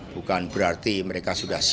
bukan berarti mereka sudah siap